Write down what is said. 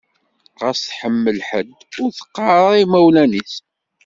Ɣas tḥemmel ḥedd, ur teqqar ara i imawlan-is.